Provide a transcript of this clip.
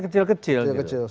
kecil kecil satu dua satu dua